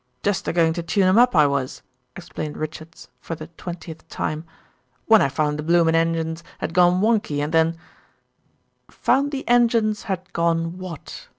"Just a goin' to tune 'em up I was," explained Richards for the twentieth time, "when I found the bloomin' engines had gone whonky, then " "Found the engines had gone what?"